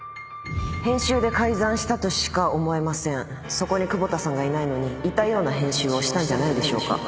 そこに久保田さんがいないのにいたような編集をしたんじゃないでしょうか。